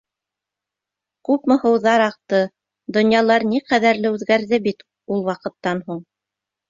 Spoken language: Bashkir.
Күпме һыуҙар аҡты, донъялар ни ҡәҙәрле үҙгәрҙе бит ул ваҡыттан һуң!